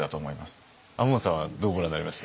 亞門さんはどうご覧になりました？